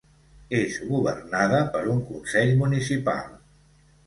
És governada per un consell municipal.